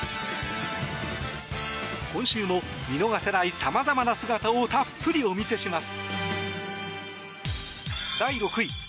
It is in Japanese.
今週も見逃せない様々な姿をたっぷりお見せします。